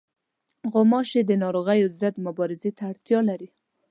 غوماشې د ناروغیو ضد مبارزې ته اړتیا لري.